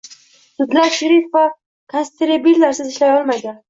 Sudlar sherif va konstebllarsiz ishlay olmaydi